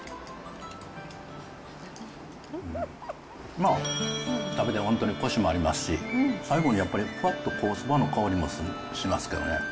まあ、食べて本当にこしもありますし、最後にやっぱり、ふわっとそばの香りもしますけどね。